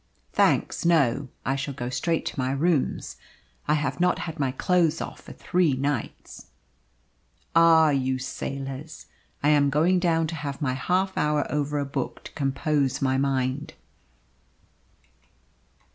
"Thanks, no. I shall go straight to my rooms. I have not had my clothes off for three nights." "Ah, you sailors! I am going down to have my half hour over a book to compose my mind."